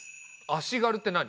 足軽って何？